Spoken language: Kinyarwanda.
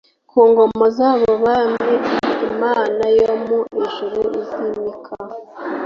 ku ngoma z abo bami imana yo mu ijuru izimika